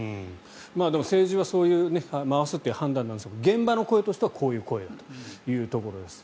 でも、政治はそういう回すという判断なんですが現場の声としてはこういう声だというところです。